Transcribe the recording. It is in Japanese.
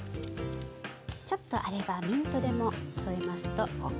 ちょっとあればミントでも添えますとすてきですね。